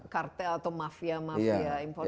kartel atau mafia mafia impor